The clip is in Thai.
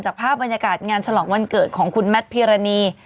ภาพบรรยากาศงานฉลองวันเกิดของคุณแมทพิรณี